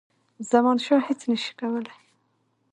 زمانشاه هیچ نه سي کولای.